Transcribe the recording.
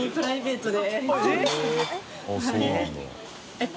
えっ！